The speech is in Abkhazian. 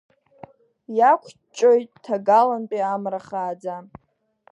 Иақәҷҷоит ҭагалантәи амра хааӡа.